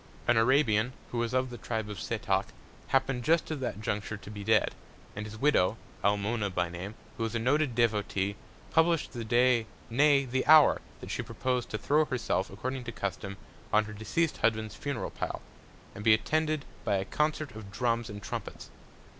An Arabian, who was of the Tribe of Setoc, happen'd just at that Juncture, to be dead, and his Widow (Almona by Name) who was a noted Devotee, publish'd the Day, nay, the Hour, that she propos'd to throw herself (according to Custom) on her deceased Husband's Funeral Pile, and be attended by a Concert of Drums and Trumpets.